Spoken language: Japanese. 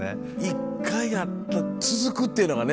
１回が続くっていうのがね